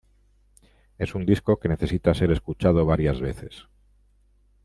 Es un disco que necesita ser escuchado varias veces.